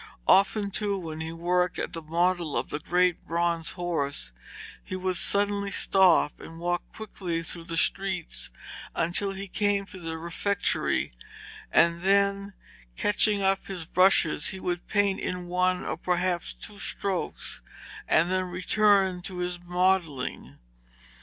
Often too when he worked at the model for the great bronze horse, he would suddenly stop, and walk quickly through the streets until he came to the refectory, and there, catching up his brushes, he would paint in one or perhaps two strokes, and then return to his modelling.